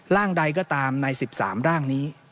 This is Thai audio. ร่างใดก็ตามใน๑๓ร่างนี้